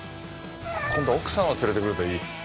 今度奥さんを連れてくるといい。